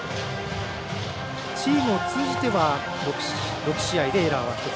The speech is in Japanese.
チームを通じては６試合でエラー１つ。